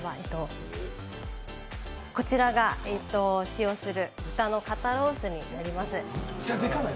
こちらが使用する豚の肩ロースになります。